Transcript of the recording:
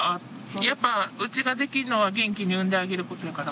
やっぱうちができるのは元気に産んであげることやから。